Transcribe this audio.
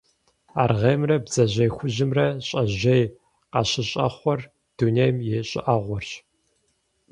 Аргъеймрэ бдзэжьей хужьымрэ щӀэжьей къащыщӀэхъуэр дунейм и щӀыӀэгъуэрщ.